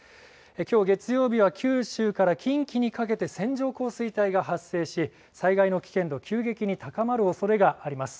きょう月曜日は九州から近畿にかけて、線状降水帯が発生し、災害の危険度、急激に高まるおそれがあります。